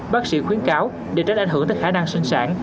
bác sĩ khuyến cáo để tránh ảnh hưởng tới khả năng sinh sản